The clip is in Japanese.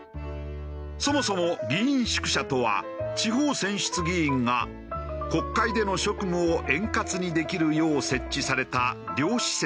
そもそも議員宿舎とは地方選出議員が国会での職務を円滑にできるよう設置された寮施設で。